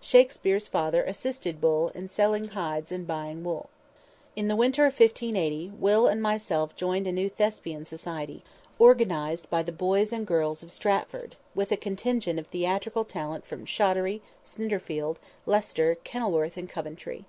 Shakspere's father assisted Bull in selling hides and buying wool. In the winter of 1580, Will and myself joined a new thespian society, organized by the boys and girls of Stratford, with a contingent of theatrical talent from Shottery, Snitterfield, Leicester, Kenilworth and Coventry.